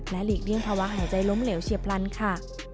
หลีกเลี่ยงภาวะหายใจล้มเหลวเฉียบพลันค่ะ